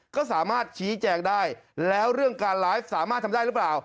ก็สามารถชี้แจงได้แล้วเรื่องการไลฟ์สามารถทำได้หรือเปล่า